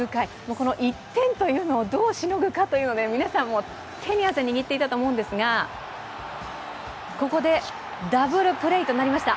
この１点というのをどうしのぐかというので皆さん、手に汗握っていたと思うんですがここで、ダブルプレーとなりました。